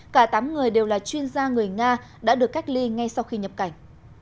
cả tám người đều là chuyên gia người nga đã được cách ly ngay sau khi nhập cảnh